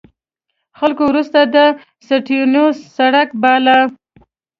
خلکو وروسته د سټیونز سړک باله.